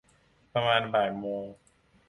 ประมาณบ่ายโมง